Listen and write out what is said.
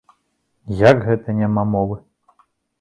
Як гэта няма мовы?!